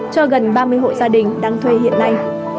cho gần ba mươi hộ gia đình đang thuê hiện nay